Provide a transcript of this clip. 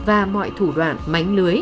và mọi thủ đoạn mánh lưới